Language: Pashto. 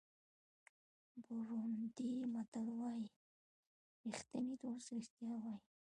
بورونډي متل وایي ریښتینی دوست رښتیا وایي.